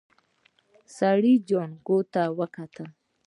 سړي جانکو ته وکتل.